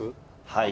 はい。